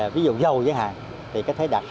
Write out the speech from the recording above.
ví dụ dầu giới hạn thì có thể đạt sáu bảy